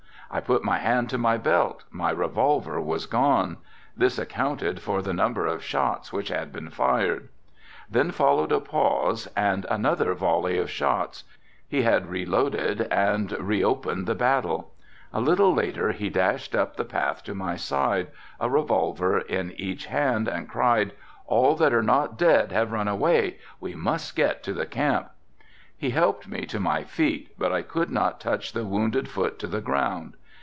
I put my hand to my belt, my revolver was gone; this accounted for the number of shots which had been fired. Then followed a pause and another volley of shots, he had reloaded and reopened the battle. A little later he dashed up the path to my side, a revolver in each hand, and cried "all that are not dead have run away, we must get to the camp." He helped me to my feet, but I could not touch the wounded foot to the ground.